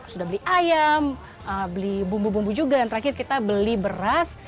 sudah beli ayam beli bumbu bumbu juga dan terakhir kita beli beras